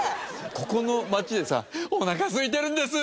ここの町でさ「おなかすいてるんです！